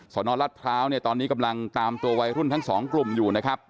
สนรัฐพร้าวเนี่ยตอนนี้กำลังตามตัววัยรุ่นทั้งสองกลุ่มอยู่นะครับ